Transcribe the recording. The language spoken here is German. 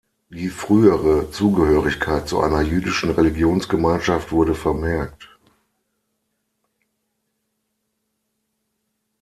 Die frühere Zugehörigkeit zu einer jüdischen Religionsgemeinschaft wurde vermerkt.